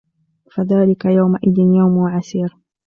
فذلك يومئذ يوم عسير